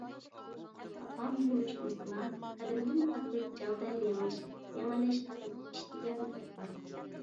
خاپا بولۇشمىسىلا. قەدىمدىن تارتىپ «جەڭدە يېڭىش - يېڭىلىش ئادەتتىكى ئىش» دېگەن گەپ بار.